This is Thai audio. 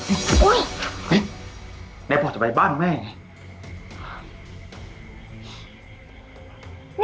โอ้ยเฮ้ยแม่พอจะไปบ้านแม่ไง